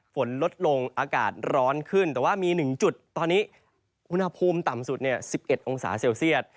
ฝนลดลงอากาศร้อนขึ้นแต่ว่ามี๑จุดตอนนี้อุณหภูมิต่ำสุด๑๑องศาเซลเซียต